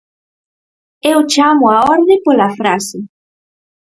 Eu chámoa á orde pola frase.